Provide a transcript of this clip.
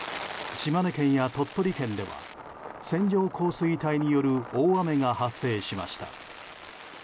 島根県や鳥取県では線状降水帯による大雨が発生しました。